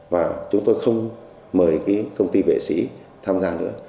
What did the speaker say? và chúng tôi không mời cái công ty vệ sĩ tham gia nữa